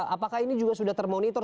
apakah ini juga sudah termonitor